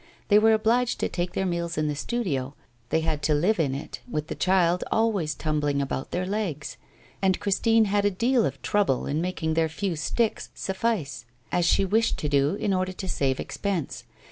They were obliged to take their meals in the studio; they had to live in it, with the child always tumbling about their legs. And Christine had a deal of trouble in making their few sticks suffice, as she wished to do, in order to save expense.